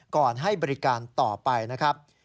ก่อนให้บริการต่อไปนะครับ